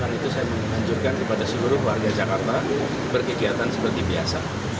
karena itu saya menunjukkan kepada seluruh keluarga jakarta berkegiatan seperti biasa